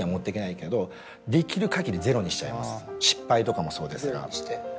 失敗とかもそうですが。